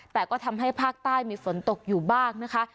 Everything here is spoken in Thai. แต่ก็ทำให้ภาคใต้มีฝนตกอยู่บ้างนะคะ